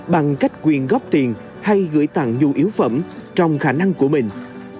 bằng cách quyền góp tiền hay gửi tặng nhu yếu phẩm trong khả năng của mình